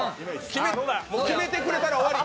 決めてくれたら終わり。